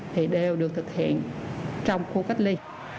thì đều được thực hiện trong khu cách ly